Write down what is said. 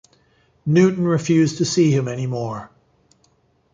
Newton refused to see him any more.